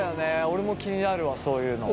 俺も気になるわそういうの。